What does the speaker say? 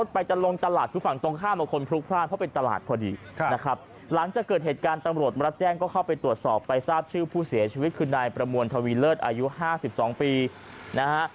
ไปทราบชื่อผู้เสียชีวิตคืนนายประมวลทวีเลิศอายุ๕๒ปีนะฮะ